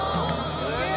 ・すげえ！